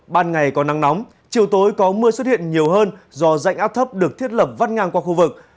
ban ngày có nắng nóng chiều tối có mưa xuất hiện nhiều hơn do dạnh áp thấp được thiết lập vắt ngang qua khu vực